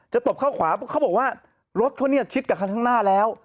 จะตบเข้าขวาก็เขาบอกว่ารถชิดกับข้างหน้าแล้ว